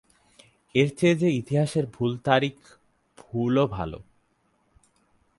এর চেয়ে যে ইতিহাসের তারিখ ভুলও ভালো।